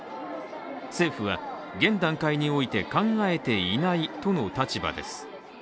政府は現段階において考えていないとの立場です。